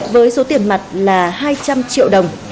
với số tiền mặt là hai trăm linh triệu đồng